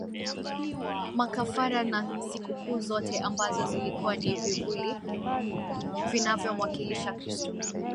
makafara na sikukuu zote ambazo zilikuwa ni vivuli vinavyomwakilisha Kristo